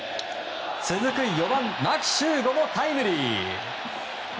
続く４番、牧秀悟もタイムリー！